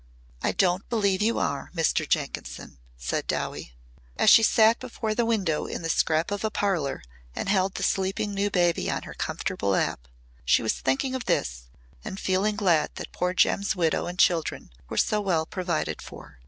"I don't believe you are, Mr. Jenkinson," said Dowie. As she sat before the window in the scrap of a parlour and held the sleeping new baby on her comfortable lap, she was thinking of this and feeling glad that poor Jem's widow and children were so well provided for.